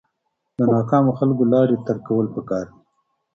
د ناکامو خلکو لارې ترک کول پکار دي.